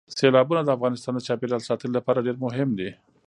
سیلابونه د افغانستان د چاپیریال ساتنې لپاره ډېر مهم دي.